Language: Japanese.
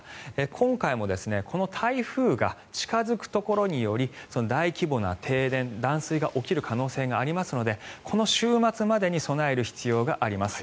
今回もこの台風が近付くところにより大規模な停電・断水が起きる可能性がありますのでこの週末までに備える必要があります。